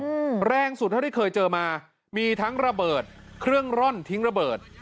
อืมแรงสุดเท่าที่เคยเจอมามีทั้งระเบิดเครื่องร่อนทิ้งระเบิด